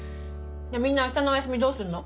みんな明日のお休みどうすんの？